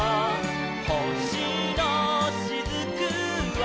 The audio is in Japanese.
「ほしのしずくは」